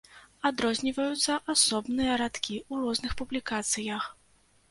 Адрозніваюцца асобныя радкі ў розных публікацыях.